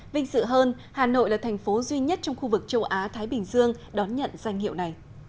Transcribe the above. vinh sự hơn hà nội là thành phố duy nhất trong khu vực châu á thái bình dương đón nhận danh hiệu này